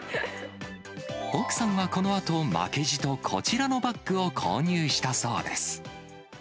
奥さんはこのあと負けじとこちらのバッグを購入したそうです。